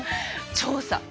調査！